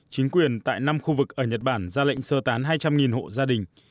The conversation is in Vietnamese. chính quyền tại năm khu vực ở nhật bản ra lệnh sơ tán hai trăm linh hộ gia đình